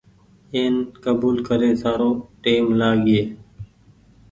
اين ڪبول ڪري سارو ٽيم لآگيئي۔